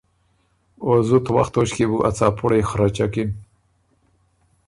او زُت وخت توݭکيې بو ا څاپُرئ خرچکِن۔